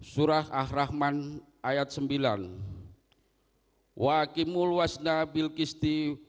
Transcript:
surah al rahman ayat sembilan